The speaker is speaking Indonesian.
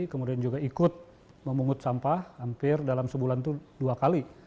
kemudian juga ikut memungut sampah hampir dalam sebulan itu dua kali